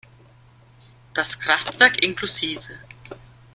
Das Kraftwerk incl.